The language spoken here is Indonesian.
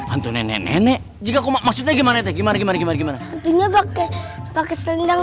hantu nenek nenek jika aku maksudnya gimana gimana gimana gimana gimana ini pakai pakai selendang